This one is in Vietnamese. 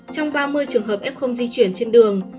trong ba mươi trường hợp f di chuyển trên đường